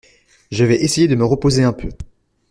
Je vais essayer de me reposer un peu.